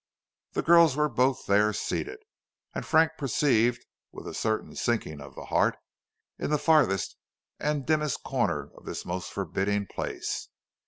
The girls were both there, seated, as Frank perceived with a certain sinking of the heart, in the farthest and dimmest corner of this most forbidding place.